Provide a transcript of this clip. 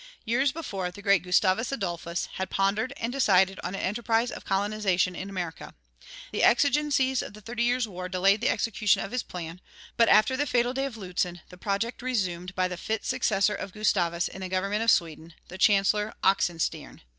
Years before, the great Gustavus Adolphus had pondered and decided on an enterprise of colonization in America.[76:1] The exigencies of the Thirty Years' War delayed the execution of his plan, but after the fatal day of Lützen the project resumed by the fit successor of Gustavus in the government of Sweden, the Chancellor Oxenstiern.